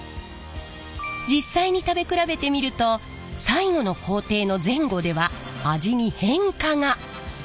実際に食べ比べてみると最後の工程の前後では味に変化が。